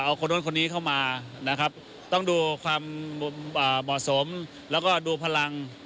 เอาคนนู้นคนนี้เข้ามานะครับต้องดูความเหมาะสมแล้วก็ดูพลัง